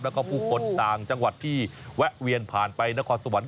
แล้วก็ผู้คนต่างจังหวัดที่แวะเวียนผ่านไปนครสวรรค